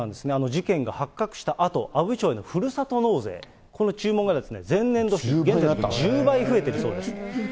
事件が発覚したあと、阿武町のふるさと納税、この注文が前年度比１０倍増えてるそうです。